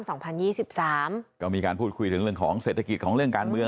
ก็มีการพูดคุยถึงเรื่องของเศรษฐกิจของเรื่องการเมือง